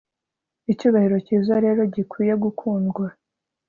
Icyubahiro cyiza rero gikwiye gukundwa